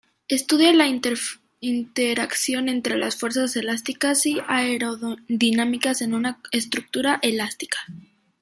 Estudia la interacción entre las fuerzas elásticas y aerodinámicas en una estructura elástica.